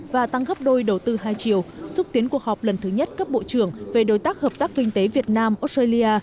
và tăng gấp đôi đầu tư hai chiều xúc tiến cuộc họp lần thứ nhất cấp bộ trưởng về đối tác hợp tác kinh tế việt nam australia